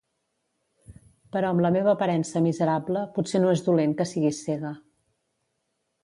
Però amb la meva aparença miserable potser no és dolent que siguis cega.